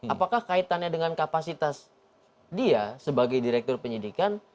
apakah kaitannya dengan kapasitas dia sebagai direktur penyidikan